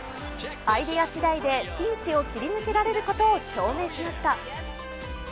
アイデアしだいでピンチを切り抜けられることを証明しました。